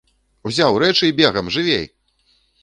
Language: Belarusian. Узяў рэчы і бегам, жывей!!!